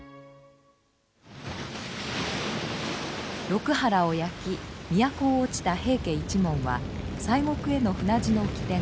六波羅を焼き都を落ちた平家一門は西国への船路の起点